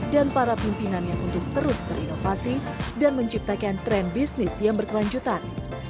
dan para pimpinan yang untuk terus berinovasi dan menciptakan tren bisnis yang berkelanjutan